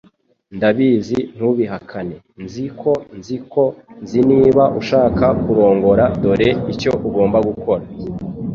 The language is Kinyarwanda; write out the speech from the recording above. Ndabizi ntubihakane Nzi ko nzi ko nziNiba ushaka kurongora, dore icyo ugomba gukora: